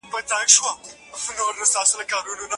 کمپيوټر برېښنا هم سپموي.